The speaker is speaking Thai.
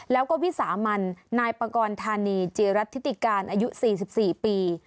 แล้วก็วิสามันนายปกรณ์ธานีจีรัฐธิติการอายุ๔๔ปี